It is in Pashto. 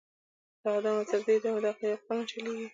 « له آدمه تر دې دمه دغه یو قانون چلیږي